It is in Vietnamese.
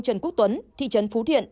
trần quốc tuấn thị trấn phú thiện